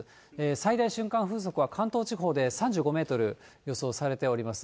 最大瞬間風速は関東地方で３５メートル予想されております。